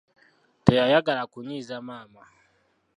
Teyayagala kunnyiza maama.